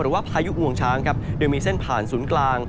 หรือว่าพายุอวงช้างครับเดี๋ยวมีเส้นผ่านศูนย์กลาง